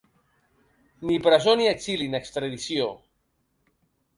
Ni presó ni exili ni extradició.